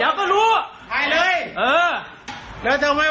ปรากฏว่าสิ่งที่เกิดขึ้นคลิปนี้ฮะ